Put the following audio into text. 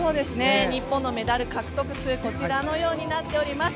日本のメダル獲得数こちらのようになっています。